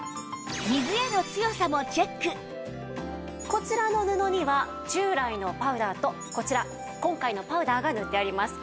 こちらの布には従来のパウダーとこちら今回のパウダーが塗ってあります。